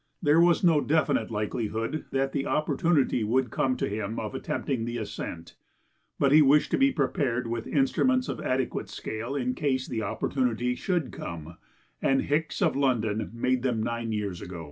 There was no definite likelihood that the opportunity would come to him of attempting the ascent, but he wished to be prepared with instruments of adequate scale in case the opportunity should come; and Hicks, of London, made them nine years ago.